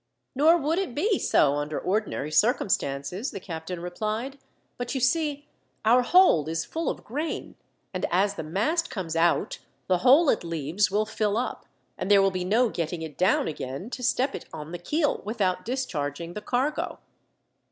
"Nor would it be so, under ordinary circumstances," the captain replied; "but you see, our hold is full of grain, and as the mast comes out, the hole it leaves will fill up, and there will be no getting it down again to step it on the keel without discharging the cargo."